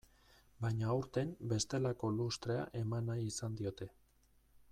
Baina aurten bestelako lustrea eman nahi izan diote.